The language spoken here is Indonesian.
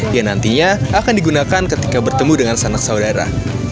yang nantinya akan digunakan ketika bertemu dengan sanak saudara